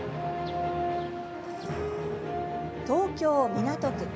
東京・港区。